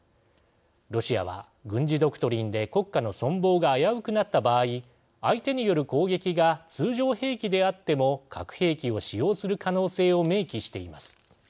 ロシアは軍事ドクトリンで国家の存亡が危うくなった場合相手による攻撃が通常兵器であっても核兵器を使用する可能性を明記しています。